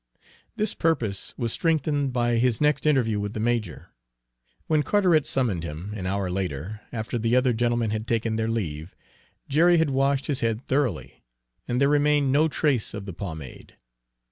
This purpose was strengthened by his next interview with the major. When Carteret summoned him, an hour later, after the other gentlemen had taken their leave, Jerry had washed his head thoroughly and there remained no trace of the pomade.